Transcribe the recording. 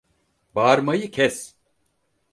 Bağırmayı kes!